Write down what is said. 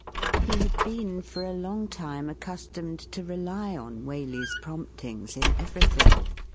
He had been for a long time accustomed to rely on Waley's promptings in everything.